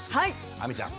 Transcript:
亜美ちゃん。